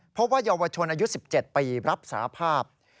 เพราะว่าเยาวชนอายุ๑๗ปีรับสาภาพ